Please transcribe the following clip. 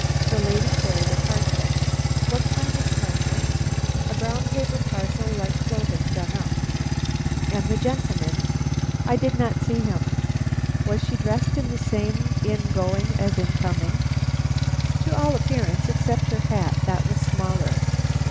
"The lady carried a parcel." "What kind of a parcel?" "A brown paper parcel, like clothing done up." "And the gentleman?" "I did not see him." "Was she dressed the same in going as in coming?" "To all appearance, except her hat. That was smaller."